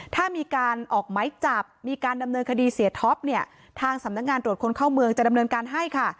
ถ้ามีการออกไหมจับมีการดำเนินคดีเสียท็อปเนี่ยทางสำนักงานตรวจคนเข้าเมืองจะดำเนินการให้ค่ะ